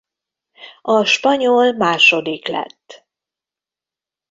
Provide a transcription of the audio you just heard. A spanyol második lett.